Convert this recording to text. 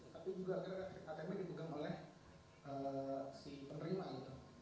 tapi juga atm nya dibuka oleh si penerima gitu